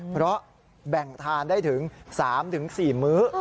เพราะแบ่งทานได้ถึง๓๔มื้อ